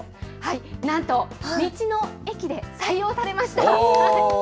なんと道の駅で採用されました。